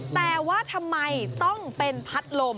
แต่ว่าทำไมต้องเป็นพัดลม